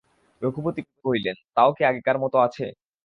রঘুপতি কহিলেন, তাও কি আগেকার মতো আছে?